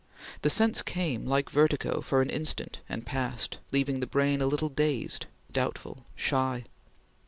The sense came, like vertigo, for an instant, and passed, leaving the brain a little dazed, doubtful, shy.